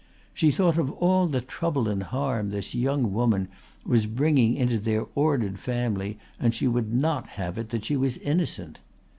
She thought of all the trouble and harm this young woman was bringing into their ordered family and she would not have it that she was innocent.